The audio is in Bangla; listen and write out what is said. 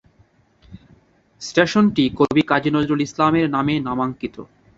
স্টেশনটি কবি কাজী নজরুল ইসলামের নামে নামাঙ্কিত।